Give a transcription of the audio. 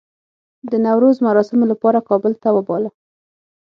د نوروز مراسمو لپاره کابل ته وباله.